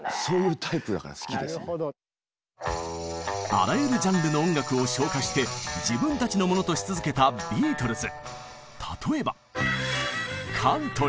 あらゆるジャンルの音楽を消化して自分たちのものとし続けたビートルズ。